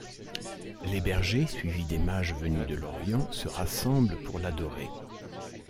Les bergers suivis des mages venus de l'Orient se rassemblent pour l'adorer.